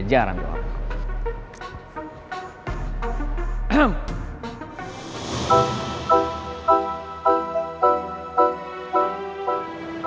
yaudah gue ikut